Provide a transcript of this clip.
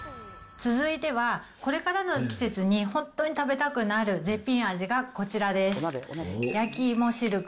続いては、これからの季節に本当に食べたくなる絶品味がこちらです。